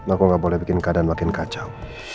aku nggak boleh bikin keadaan makin kacau